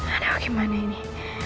aduh gimana ini